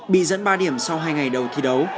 bị dẫn ba điểm sau hai ngày đấu